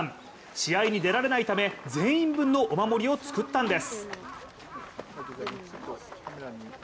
試合に出られないため、全員分のお守りを作ったんです。